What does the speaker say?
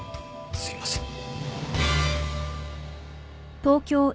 すいませんね。